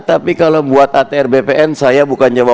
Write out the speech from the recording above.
tapi kalau buat atr bpn saya oposisi buat pemerintah